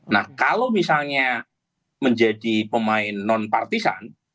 nah kalau misalnya menjadi pemain non partisan